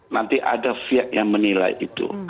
nanti ada pihak yang menilai itu